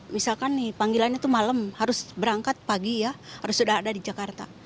misalkan nih panggilannya itu malam harus berangkat pagi ya harus sudah ada di jakarta